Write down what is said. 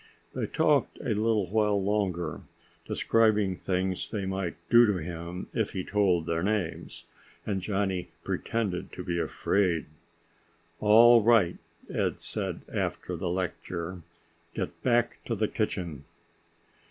They talked a little while longer, describing things they might do to him if he told their names, and Johnny pretended to be afraid. "All right," Ed said after the lecture. "Get back to the kitchen."